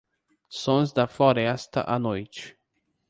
Sons da floresta à noite